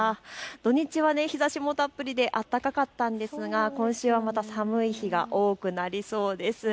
土日は日ざしもたっぷりで暖かかったんですが、今週はまた寒い日が多くなりそうです。